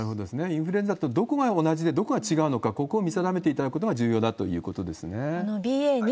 インフルエンザとどこが同じでどこが違うのか、ここを見定めていただくことが重要だということですね。